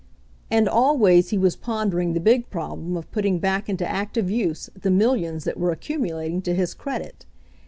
And always he was pondering the big problem of putting back into active use the millions that were accumulating to his credit.